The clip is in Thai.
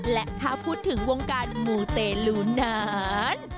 และถ้าพูดถึงวงการมูเตลูนาน